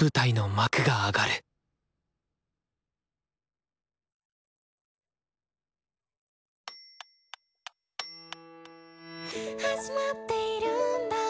舞台の幕が上がる「始まっているんだ